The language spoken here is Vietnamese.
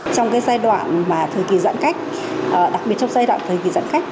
trong cái giai đoạn mà thời kỳ giãn cách đặc biệt trong giai đoạn thời kỳ giãn khách